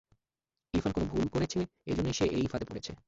ইরফান কোন ভুল করেছে, এজন্যই সে এই ফাঁদে পড়েছে।